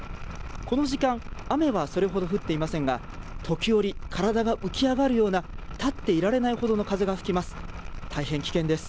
この時間、雨はそれほど降っていませんが、時折体が浮き上がるような立っていられないほどの風が吹きます。